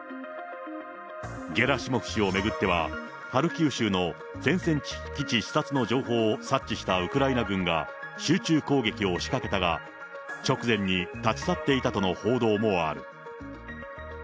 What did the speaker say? ゲラシモフ氏を巡っては、ハルキウ州の前線基地視察の情報を察知したウクライナ軍が、集中攻撃を仕掛けたが、直前に立ち去っていたとの報道もある。